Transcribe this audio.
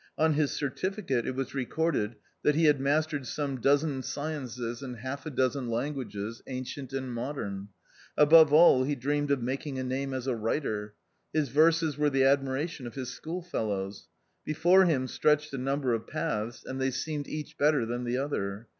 On his certificate it was recorded that he had mastered some dozen sciences and half dozen languages, ancient and modern. Above all he dreamed of making a name as a writer. His verses were the admiration of his school fellows. Before him stretched a number of paths ; and they seemed each better than the other.